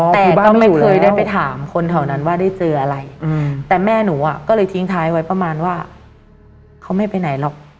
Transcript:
แต่ก็ไม่เคยได้ไปถามคนแถวนั้นว่าได้เจออะไรแต่แม่หนูอ่ะก็เลยทิ้งท้ายไว้ประมาณว่าเขาไม่ไปไหนหรอก